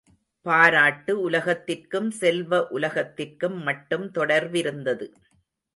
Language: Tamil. பாராட்டு உலகத்திற்கும் செல்வ உலகத்திற்கும் மட்டும் தொடர்பிருந்தது.